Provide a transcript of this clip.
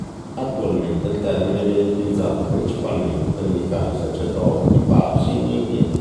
Attualmente il termine viene utilizzato principalmente per indicare i sacerdoti parsi in India.